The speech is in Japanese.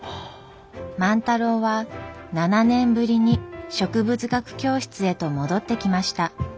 万太郎は７年ぶりに植物学教室へと戻ってきました。